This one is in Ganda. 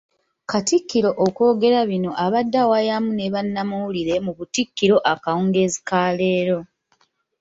Katikkiro okwogera bino abadde awayamu ne bannamawulire mu Butikkiro akawungeezi ka leero.